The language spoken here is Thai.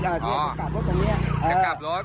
อ๋อจะกลับรถ